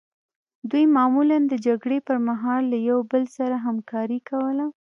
دوی معمولا د جګړې پرمهال له یو بل سره همکاري کوله